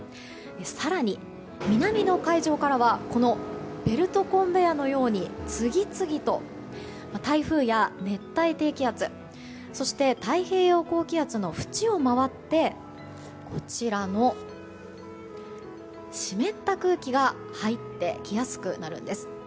更に、南の海上からはベルトコンベヤーのように次々と台風や熱帯低気圧そして太平洋高気圧のふちを回って湿った空気が入ってきやすくなるんです。